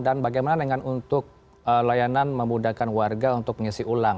dan bagaimana dengan untuk layanan memudahkan warga untuk mengisi ulang